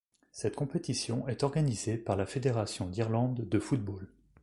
Cette compétition est organisée par la Fédération d'Irlande de football.